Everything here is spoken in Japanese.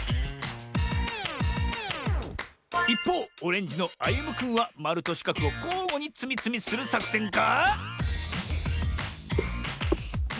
いっぽうオレンジのあゆむくんはまるとしかくをこうごにつみつみするさくせんか？